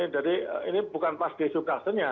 jadi ini bukan pas di subkastennya